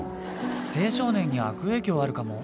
青少年に悪影響あるかも。